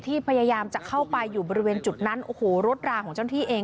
พยายามจะเข้าไปอยู่บริเวณจุดนั้นโอ้โหรถราของเจ้าหน้าที่เอง